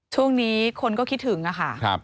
ช่วงนี้คนก็คิดถึงค่ะ